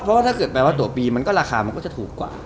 เพราะว่าถ้าเกิดแปลว่าตัวปีมันก็ราคามันก็จะถูกกว่า